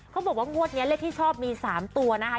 เขาบอกว่างวดนี้เลขที่ชอบมี๓ตัวนะคะ